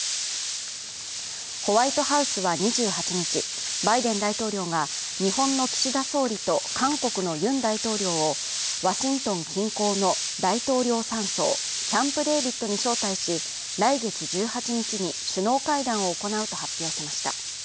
ホワイトハウスは２８日、バイデン大統領が日本の岸田総理と韓国のユン大統領をワシントン近郊の大統領山荘、キャンプ・デービッドに招待し来月１８日に首脳会談を行うと発表しました。